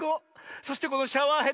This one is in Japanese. そしてこのシャワーヘッド。